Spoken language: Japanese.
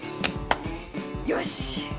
よし！